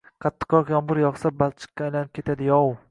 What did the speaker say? Qattiqroq yomg’ir yog’sa, balchiqqa aylanib ketadi-yov!